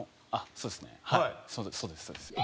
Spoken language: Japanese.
そうですそうです。